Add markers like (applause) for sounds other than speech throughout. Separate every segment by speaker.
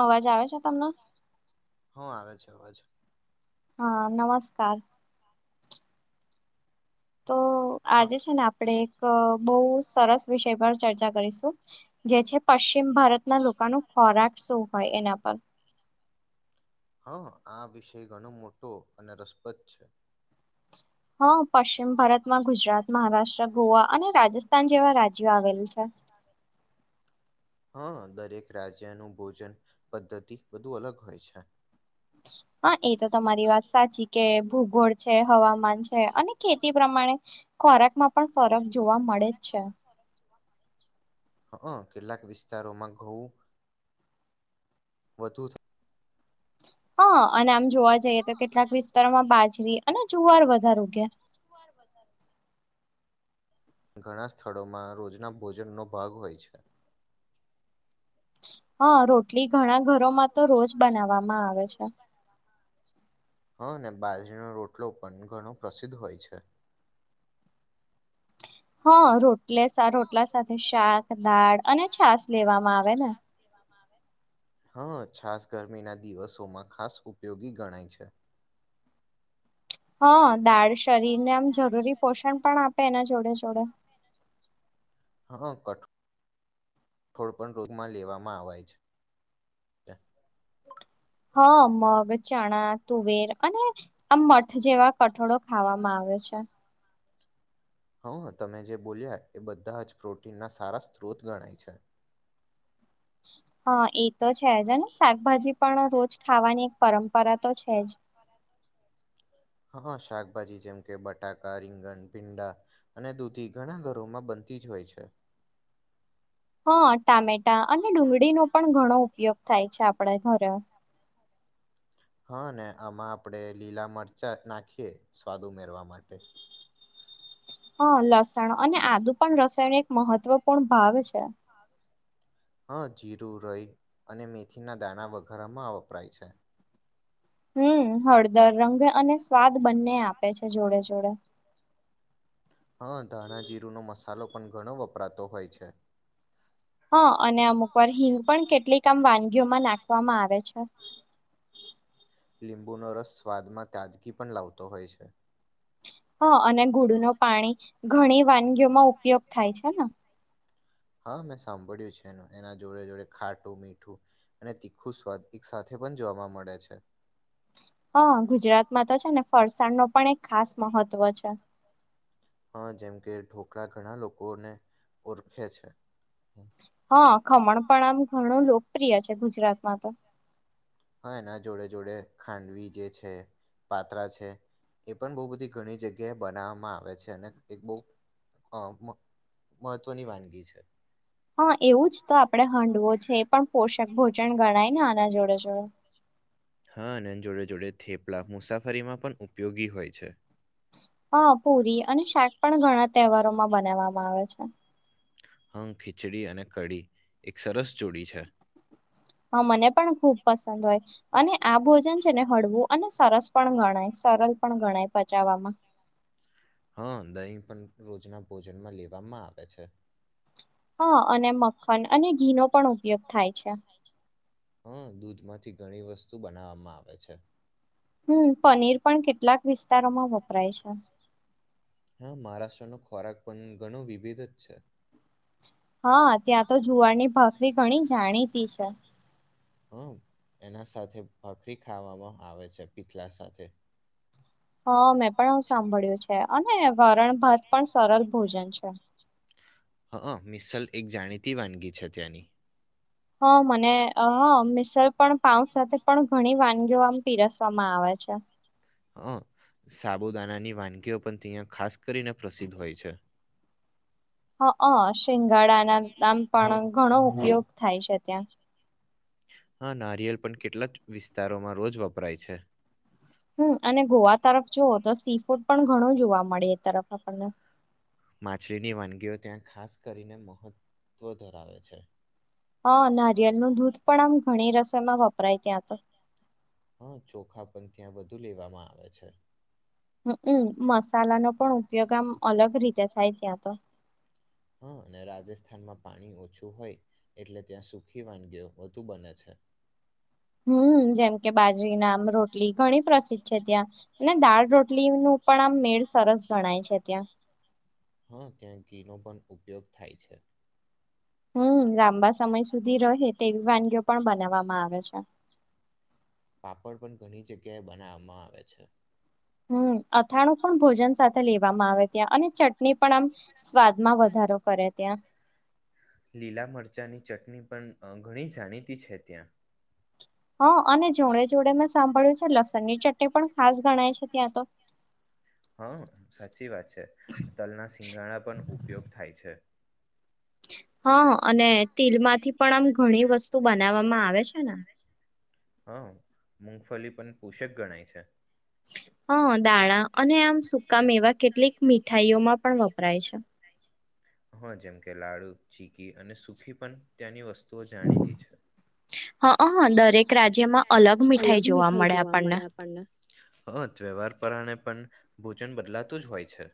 Speaker 1: અવાજ આવે છે તમને.
Speaker 2: હા આવે છે અવાજ
Speaker 1: હા નમસ્કાર. તો
Speaker 2: હા
Speaker 1: આજે છે ને આપડે એક બહ સરસ વિષય પર ચર્ચા કરીશું જે છે પ પશ્ચિમ ભારતના લોકો ન ખોરાક શું હોય એના પર
Speaker 2: હા આ વિષય ઘણો મોટો અને રસપ્રદ છે,
Speaker 1: હા, પશ્ચિમ ભારતમાં ગુજરાત મહારાષ્ટ્ર ગોવા અને રાજસ્થાન જેવા રાજ્યો આવેલ છે (unintelligible)
Speaker 2: હા, દરેક રાજ્યનું ભોજન પદ્ધતિ બધું અલગ હોય છે.
Speaker 1: હા, એ તો તમારી વાત સાચી કે ભૂગોળ છે હવામાન છે અને ખેતી પ્રમાણે ખોરાક માં પણ ફરક જોવા મળે જ છે,
Speaker 2: હ કેટલાક વિસ્તારોમાં ઘઉ (unintelligible)
Speaker 1: હા અને આમ જોવા જઈએ તો કેટલાક વિસ્તારોમાં બાજરી અને જુવાર વધારો કે
Speaker 2: ઘણા સ્થળોમાં રોજના ભોજનનો ભાગ હોય છે,
Speaker 1: હા રોટલી ઘણા ઘરોમાં તો રોજ બનાવવામાં આવે છે,
Speaker 2: હ ને બાજરીનો રોટલો પણ ઘણો પ્રસિદ્ધ હોય છે
Speaker 1: હા રોટલે રોટલા સાથે શાક દાળ અને છાસ લેવામાં આવે હવે ને
Speaker 2: હા છાસ ગરમીના દિવસોમાં ખાસ ઉપયોગી ગણાય છે
Speaker 1: હ દાળ શરીર ને આમ જરૂરી પોષણ પણ આપ ભેના જોડ્યા જોડ્યા
Speaker 2: હા કટ કોઈ પન રોગમાં લેવામાં આવેય છે
Speaker 1: હા મગ ચણા તુવેર અને આમ મઠ જેવા કઠોળો ખાવામાં આવે છે અચ્છા
Speaker 2: હં તમે જે બોલ્યા એ બધા જ પ્રોટીનના સારા સ્ત્રોત ગણાય છે
Speaker 1: હા એ તો છેજ ને શાકભાજી પણ રોજ ખાવાની એક પરંપરા તો છે જ
Speaker 2: હા શાકભાજી જેમ કે બટાકા રીંગણ ભીંડા અને દૂધી ઘણા ઘરોમાં બનતી જ હોય હો છે
Speaker 1: હા ટામેટા અને ડુંગળીનોો પણ ઘણો ઉપયોગ થાય છે આપડા ઘરે
Speaker 2: હા ને આમાં આપણેે લીલા મરચાં નાખીએ સ્વાદ ઉમેરવા માટે
Speaker 1: હા લસણ અને આદુ પણ રસાયણ એક મહત્વપૂર્ણ ભાગ છે
Speaker 2: હા જીરું રઈ અને મેથીના દાણા વઘારમાં વપરાય છે
Speaker 1: હમ હળદર રંગ અને સ્વાદ બંને આપે છે જોડે જોડે (inaudible)
Speaker 2: હા ધાણા જીરુ નો મસાલો પણ ઘણો વપરાતો હોય છે
Speaker 1: હા અને અમુક વાર હિંગ પણ કેટલીક આમ વાનગીઓમાં નાખવામાં આવે છે હ
Speaker 2: લીંબુનો રસ સ્વાદમાં તાજગી પણ લાવતો હોય છે
Speaker 1: હા અને ગુડુ ન પાણી ઘણી વાનગીઓમાં ઉપયોગ થાય છે ને
Speaker 2: હા મેં સાંભળ્યું છે એનું એના જોડે જોડે ખાટું મીઠું અને તીખું સ્વાદ એક સાથે પણ જોવા મળે છે
Speaker 1: હા ગુજરાતમાં તો છે ને ફરસાણ ન પણ એક ખાસ મહત્વ છે
Speaker 2: હ જેમ કે ઢોકળા ઘણા લોકોને ઓળખે છે હા
Speaker 1: હા ખમણ પણ આમ ઘણું લોકપ્રિય છે ગુજરાતમાં તો
Speaker 2: હા એના જોડે જોડે ખાંડવી જે છે પાત્રા છે એ પણ બહ બધી ઘણી જગ્યાએ બનાવવામાં આવે છે અને એક બહ અ મહત્વની વાનગી છે
Speaker 1: હા એવું જ તો આપડે હંડવો છે એ પણ પોષક ભોજન ગણાય નાના જોડે જોડે
Speaker 2: અને જોડે જોડે થેપલા મુસાફરીમાં પણ ઉપયોગી હોય છે
Speaker 1: હ પુરી અને શાક પણ ઘણા તહેવારોમાં બનાવવામાં આવે છે
Speaker 2: હ ખીચડી અને કઢી એક સરસ ચડી છે
Speaker 1: હ હા મને પણ ખુબ પસંદ હોય અને આ ભોજન છે ને હળવું અને સરસ પણ ગણાય સરસ લ પણ ગણાય પચાવવામાં
Speaker 2: હા દહીં પણ રોજના ભોજનમાં લેવામાં આવે છે
Speaker 1: હા અને મખન અને ઘીનોો પણ ઉપયોગ થાય છે
Speaker 2: હમ દૂધ માંથી ઘણી વસ્તુ બનાવવામાં આવે છે
Speaker 1: હમ પનીર પણ કેટલાક વિસ્તારોમાં વપરાય છે
Speaker 2: હા મહારાષ્ટ્રનો ખોરાક પણ ઘણું વિભિધ જ છે
Speaker 1: હા ત્યાં તો જુવારની ભાખરી ઘણી જાણીતી છે
Speaker 2: હમ એના સાથે ભાખરી ખાવામાં આવે છે પીઠલા સાથે
Speaker 1: હા મેં પણું સાંભળ્યું છે અને વરણ ભાત પણ સરળ ભોજન છે (inaudible)
Speaker 2: હં મિસલ એક જાણીતી વાનગી છે ત્યાંની
Speaker 1: હા મને હ મિસલ પણ પાઉ સાથે પણ ઘણી વાનગીઓ આમ પીરસવામાં આવે અચ્છા
Speaker 2: અ સાબુદાનાની વાનગીઓ પણ ત્યાં ખાસ કરીને પ્રસિદ્ધ હોય છે
Speaker 1: હ શિંગાડાના નામ પણ ઘણો ઉપયોગ થાય છે ત્યાં
Speaker 2: આ નારિયેલ પણ કેટલાક વિસ્તારોમાં રોજ વપરાય છે
Speaker 1: હમ અને ગોવા તરફ જુવ તો સી ફૂડ પણ ઘણું જોવા મળે એ તરફ આપણને
Speaker 2: માછલીની વાનગીઓ ત્યાં ખાસ કરીને મહત્વ ધરાવે છે
Speaker 1: હા નારિયેલ નું દૂધ પણ આમ ઘણી રસોઈમાં વપરાય ત્યાં તો
Speaker 2: હા ચોખા પણ ત્યાં વધુ લેવામાં આવે છે
Speaker 1: હ હમ મસાલાનોો પણ ઉપયોગ આમ અલગ રીતે થાય ત્યાં તો
Speaker 2: હા અને રાજસ્થાનમાં પાણી ઓછું હોય એટલે ત્યાં સુખી વાનગીઓ વધુ બને છે
Speaker 1: હમ જેમ કે બાજરી નામ રોટલી ઘણી પ્રસિદ્ધ છે ત્યાં અને દાળ રોટલી કલી નું પણ આમ મેળ સરસ ગણાય છે ત્યાં
Speaker 2: હં ત્યાં ઘીનો પણ ઉપયોગ થાય છે
Speaker 1: હમ લાંબા સમય સુધી રહે તેવી વાનગીઓ પણ બનાવામાં આવે છે
Speaker 2: પાપડ પણ ઘણી જગ્યાએ બનાવવામાં આવે છે
Speaker 1: હમ અથાણું પણ ભોજન સાથે લેવામાં આવે ત્યાં અને ચટણી પણ આમ સ્વાદમાં વધારો કરે ત્યાં
Speaker 2: લીલા મરચાંની ચટણી પણ ઘણી જાણીતી છે ત્યાં
Speaker 1: હા અને જોડે જોડે મેં સાંભળ્યું છે લસણની ચટણી પણ ખાસ ગણાય છે ત્યાં તો
Speaker 2: હા સાચી વાત છે તલના સિંગાણા પણ ઉપયોગ થાય છે
Speaker 1: હા અને તિલ માંથી પણ આમ ઘણી વસ્તુ બનાવવામાં આવે છે ને
Speaker 2: હા મૂગફલી પણ પોષક ગણાય છે
Speaker 1: હા દાણા અને આમ સુકા મેવા કેટલીક મીઠાઈઓમાં પણ વપરાય છે
Speaker 2: હા જેમ કે લાડુ ચીકી અને સુખી પણ ત્યાંની વસ્તુઓ જાણીતી છે
Speaker 1: હા હ હ દરેક રાજ્યમાં અલગ મીઠાઈ જોવા મળે આપણને
Speaker 2: હ તહેવારપરાણે પણ ભોજન બદલાતું જ હોય છે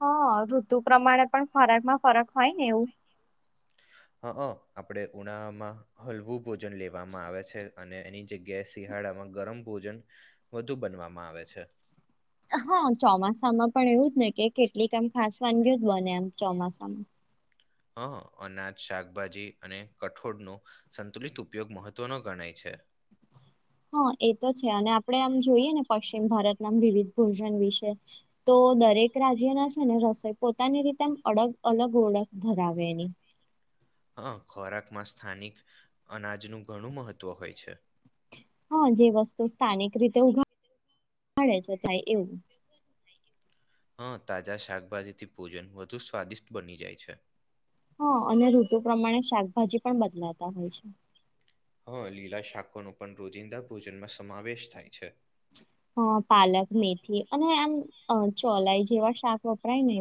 Speaker 1: હા ઋતુ પ્રમાણે પણ ખરાક માં ફરક હોય ને એવું
Speaker 2: હ આપડે ઉનામાં હલવું ભોજન લેવામાં આવે છે અને એની જગ્યાએ શિયાળામાં ગરમ ભોજન વધુ બનવામાં આવે છે
Speaker 1: હા ચોમાસામાં પણ એવું જ ને કે કેટલીક આમ ખાસ વાનગીઓ બને આમ ચોમાસામાં
Speaker 2: હ અનાજ શાકભાજી અને કઠોળનો સંતુલિત ઉપયોગ મહત્વનો ગણાય છે
Speaker 1: હા એ તો છે અને આપડે આમ જોઈએ ને પશ્ચિમ ભારત વિવિધ ભોજન વિશે તો દરેક રાજ્યના છે ને રસોઈ પોતાની રીતે અડગ અલગ ઓળખ ધરાવે એની
Speaker 2: હા ખોરાકમાં સ્થાનિક અનાજનું ઘણું મહત્વ હોય છે
Speaker 1: હા જે વસ્તુ સ્થાનિક રીતે ઉડે (inaudible) છે થાય એવું
Speaker 2: હં તાજા શાકભાજીથી ભોજન વધુ સ્વાદિષ્ટ બની જાય છે
Speaker 1: હા અને ઋતુ પ્રમાણે શાકભાજી પણ બદલાતા હોય છે
Speaker 2: હા લીલા શાકોનો પણ રોજિંદા ભોજનમાં સમાવેશ થાય છે
Speaker 1: હ પાલક મેથી અને આમ અ ચોલાઈ જેવા શાક વપરાય ને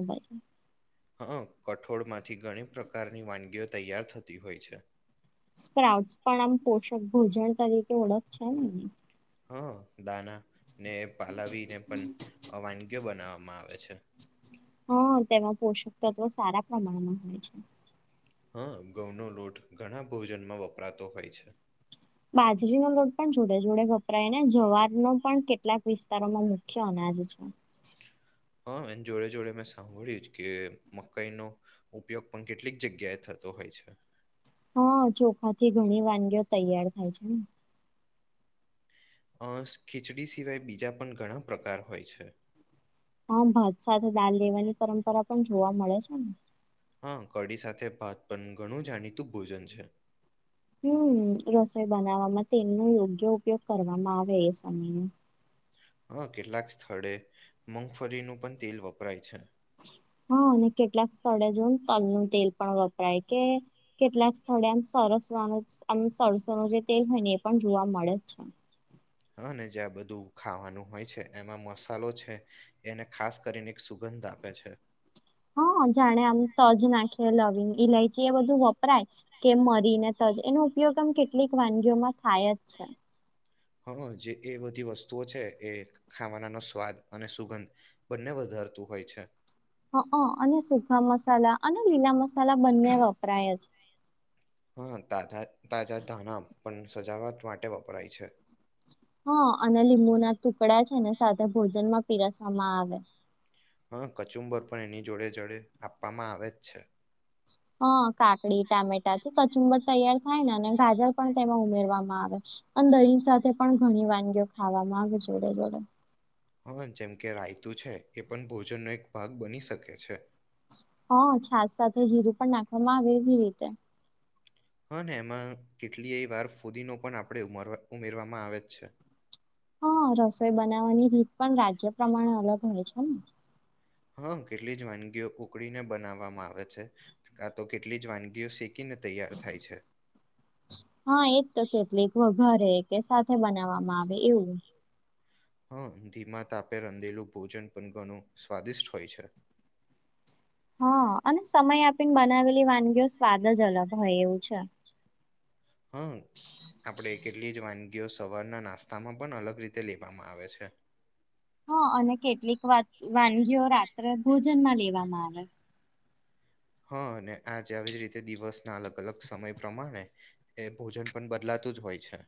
Speaker 2: હ હ કઠોળમાંથી ઘણી પ્રકારની વાનગીઓ તૈયાર થતી હોય છે
Speaker 1: સ્પ્રાઉટસ પણ આમ પોષક ભોજન તરીકે ઓળખ છે ને એની.
Speaker 2: હા. દાના ને પાલાવીને પણ અહ વાનગી બનાવા માં આવે છે.
Speaker 1: હા તેમાં પોષક તત્વો સારા પ્રમાણમાં હોય છે.
Speaker 2: હા ઘઉંનો લોટ ઘણા ભોજનમાં વપરાતો હોય છે.
Speaker 1: બાજરીનો લોટ પણ જોડે-જોડે વપરાય ને જવાર નો પણ કેટલાક વિસ્તારોમાં મુખ્ય અનાજ ના જ છે.
Speaker 2: હા એન જોડે-જોડે મેં સાંભળ્યું છ કે મકાઈનો ઉપયોગ પણ કેટલીક જગ્યાએ થ તો હોય છે.
Speaker 1: હા ચોખાથી ઘણી વાનગીઓ તૈયાર થાય છે ને.
Speaker 2: અહ ખીચડી સિવાય બીજા પણ ઘણા પ્રકાર હોય છે.
Speaker 1: હા ભાત સાથ દાળ લેવાની પરંપરા પણ જોવા મળે છે ને.
Speaker 2: હા કઢી સાથે ભાત પણ ઘણું જાણીતું ભોજન છે.
Speaker 1: હમ્મ. રસોઈ બનાવવામાં તેલનો યોગ્ય ઉપયોગ કરવામાં આવે એ સમયનું.
Speaker 2: હા કેટલાક સ્થળે મુગફળીનું પણ તેલ વપરાય છે.
Speaker 1: (inaudible) હા અને કેટલાક સ્થળે જોવો ને તલ નું તેલ પણ વપરાય કે કેટલાક સ્થળે આમ સર (unintelligible) સવાનું અમ સરસવનું જે તેલ હોય ને એ પણ જોવા મળે જ છે.
Speaker 2: હા ને જ્યાં બધું ખાવાનું હોય છે એમાં મસાલો છે, એને ખાસ કરીને એક સુગંધ ગંધ આપે છે.
Speaker 1: હા જાણે આમ તજ નાખીએ, લવિંગ ઈલાઈ ચી એ બધું વપરાય, કે મરીને તજ એનો ઉપયોગ આમ કેટલીક વાનગીઓમાં થાય જ છે.
Speaker 2: હા જે એ બધી વસ્તુઓ છે એ ખાવાના નો સ્વાદ અને સુગંધ બંને વધ ધારતું હોય છે.
Speaker 1: હઅં અને સુખા મસાલા અને લીલા મસાલા બંને વપરાય જ
Speaker 2: હા તાજા તાજા ધાણા પણ સજાવટ માટે વપરાય છે.
Speaker 1: હા અને લીંબુ ના ટુકડા છે ને સાથે ભોજન માં પીરસવામાં આવે.
Speaker 2: હા કચુંબર પણ એની જોડે-જોડે આપવામાં આવે જ છે.
Speaker 1: હા, કાકડી, ટામેટા થી કચુંબર તૈયાર થાય અને ગાજર પણ તેમાં ઉમેરવામાં આવ વે, અને દહી સાથે પણ ઘણી વાનગીઓ ખાવામાં આવે જોડે-જોડે.
Speaker 2: હા જેમ કે રાયતું છે, એ પણ ભોજનનો એક ભાગ બની શકે છે.
Speaker 1: હા છાસ સાથે જીરું પણ નાખવામાં આવે એવી રીતે.
Speaker 2: હા ને એમાં કેટલીય વાર ફુદીનો પણ આપણે ઉમરવા ઉમેરવામાં આવે જ છે.
Speaker 1: હા રસોઈ બનાવવાની રીત પણ રાજ્ય પ્રમાણે અલગ હોય છે ને.
Speaker 2: હા કેટલી જ વાનગીઓ ઉકળીને બનાવવામાં આવે છે, કા તો કેટલી જ વાનગીઓ શીખ
Speaker 1: હા એજ તો કેટલીક વઘારે કે સાથે બનાવવામાં આવે એવું એમ.
Speaker 2: હા ધીમા તાપે રંધેલું ભોજન પણ ઘણું સ્વાદિષ્ટ હોય છે.
Speaker 1: (inaudible) હા અને સમય આપીને બનાવેલી વાનગીઓ સ્વાદ જ અલગ હોય એવું છે.
Speaker 2: હા. આપણે કેટલી જ વાનગીઓ સવારના નાસ્તામાં પણ અલગ રીતે લેવામાં આવે છે.
Speaker 1: હા અને કેટલીક વાત વાનગીઓ રાત્રે ભોજનમાં લેવામાં આવે.
Speaker 2: હા અને આજ આવી જ રીતે દિવસના અલગ-અલગ સમય પ્રમાણે એ ભોજન પણ બદલા તુજ હોય છે.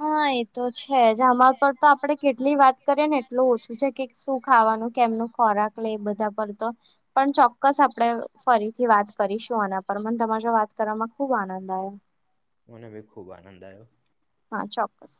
Speaker 1: હા એતો છેજ. આમાં પર તો આપડે કેટલી વાત કરીએ ને એટલું ઓછું છે કે શું ખાવાનું, કેમનું ખોરાક લે બધા પર તો. પણ ચોક્કસ આપડે ફરીથી વાત કરીશું આના પર. મન તમારા જોડે વાત કરવામાં ખુબ આનંદ આયો.
Speaker 2: મને ભી ખૂબ આનંદ આયો.
Speaker 1: હા ચોક્કસ.